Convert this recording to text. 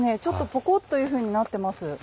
ちょっとぽこっというふうになってます。